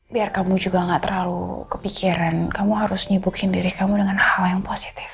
biar kamu juga gak terlalu kepikiran kamu harus nyebuk sendiri kamu dengan hal hal yang positif